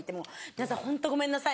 「皆さんホントごめんなさい」